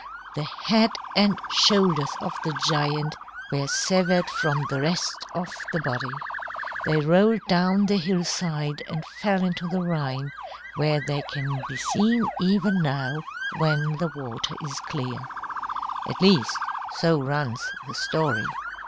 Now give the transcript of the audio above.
The head and shoulders of the giant were severed from the rest of the body. They rolled down the hillside and fell into the Rhine, where they can be seen even now, when the water is clear. At least, so runs the story.